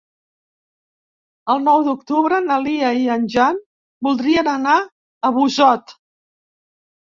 El nou d'octubre na Lia i en Jan voldrien anar a Busot.